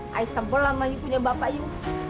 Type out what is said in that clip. saya sembelan sama you punya bapak you